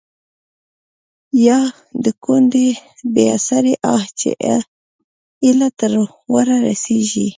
يا َد کونډې بې اسرې آه چې ا يله تر ورۀ رسيږي